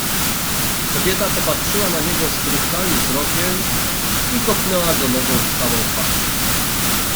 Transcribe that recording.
"Kobieta popatrzyła na niego struchlałym wzrokiem i kopnęła go nogą w samą twarz."